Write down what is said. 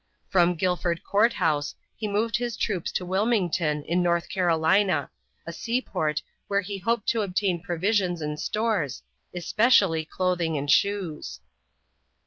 From Guilford Court House he moved his troops to Wilmington, in North Carolina, a seaport where he hoped to obtain provisions and stores, especially clothing and shoes.